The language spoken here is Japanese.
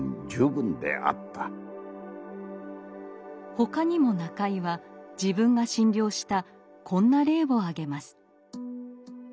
他にも中井は自分が診療したこんな例を挙げます。